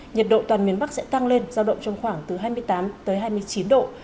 nhiệt độ toàn miền bắc sẽ tăng lên giao động trong khoảng từ hai mươi tám tới hai mươi chín độ